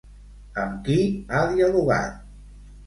Amb qui ha dialogat?